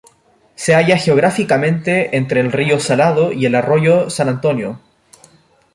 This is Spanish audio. Se halla geográficamente entre el río Salado y el arroyo San Antonio.